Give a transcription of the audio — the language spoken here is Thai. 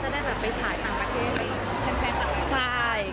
แล้วจะได้ไปส่ายตรงประเทศไว้เพลินต่อไหน